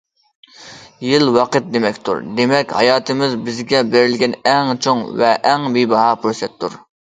يىل ۋاقىت دېمەكتۇر، دېمەك، ھاياتىمىز بىزگە بېرىلگەن ئەڭ چوڭ ۋە ئەڭ بىباھا پۇرسەتتۇر.